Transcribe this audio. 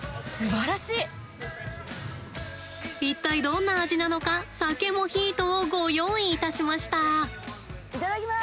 一体どんな味なのか酒モヒートをご用意いたしました。